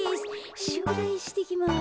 しゅくだいしてきます。